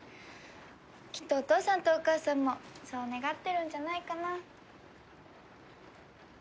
きっとお父さんとお母さんもそう願ってるんじゃないかな。